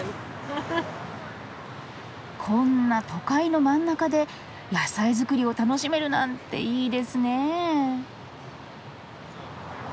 こんな都会の真ん中で野菜作りを楽しめるなんていいですね。